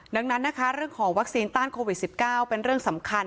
ดังนั้นนะคะเรื่องของวัคซีนต้านโควิด๑๙เป็นเรื่องสำคัญ